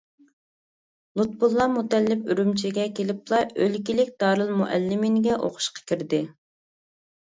لۇتپۇللا مۇتەللىپ ئۈرۈمچىگە كېلىپلا ئۆلكىلىك دارىلمۇئەللىمىنگە ئوقۇشقا كىردى.